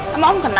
ya aku yakin